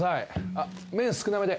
あっ麺少なめで。